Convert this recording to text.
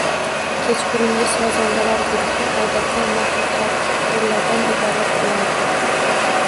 Kechqurungi sozandalar guruhi odatda nafaqaxoʻrlardan iborat boʻlardi